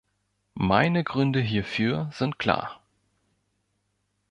Meine Gründe hierfür sind klar.